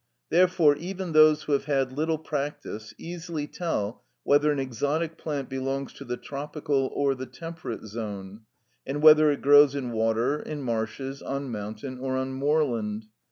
Therefore, even those who have had little practice easily tell whether an exotic plant belongs to the tropical or the temperate zone, and whether it grows in water, in marshes, on mountain, or on moorland.